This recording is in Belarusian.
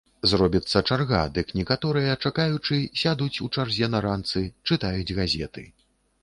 Зробіцца чарга, дык некаторыя, чакаючы, сядуць у чарзе на ранцы, чытаюць газеты.